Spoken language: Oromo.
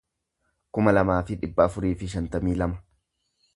kuma lamaa fi dhibba afurii fi shantamii lama